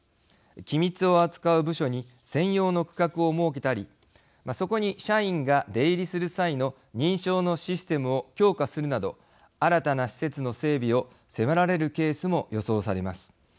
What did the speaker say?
機密を扱う部署に専用の区画を設けたりそこに社員が出入りする際の認証のシステムを強化するなど新たな施設の整備を迫られるケースも予想されます。